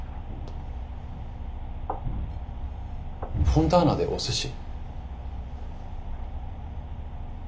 フォンターナでお寿司？